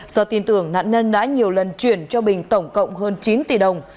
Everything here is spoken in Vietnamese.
do tin tưởng nạn nhân đã nhiều lần chuyển cho bình tổng cộng hơn chín tỷ đồng